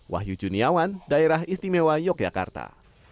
wahyu juniawan daerah istimewa yogyakarta